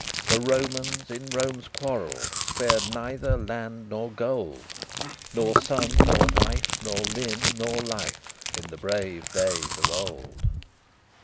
For Romans in Rome's quarrel Spared neither land nor gold, Nor son nor wife, nor limb nor life, In the brave days of old.